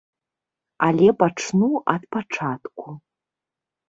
Але пачну ад пачатку.